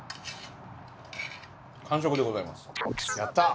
完食でございます。